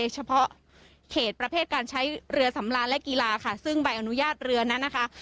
เฉพาะเขตประเภทการใช้เรือสำราญและกีฬาค่ะซึ่งใบอนุญาตเรือนั้นนะคะ